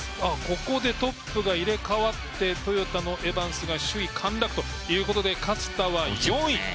ここでトップが入れ替わってトヨタのエバンスが首位陥落ということで勝田は４位。